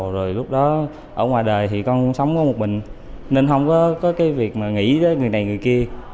rồi lúc đó ở ngoài đời thì con sống có một mình nên không có cái việc mà nghĩ tới người này người kia